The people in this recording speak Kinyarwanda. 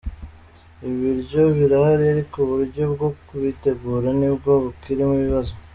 Ibiryo birahari ariko uburyo bwo kubitegura ni bwo bukirimo ibibazo.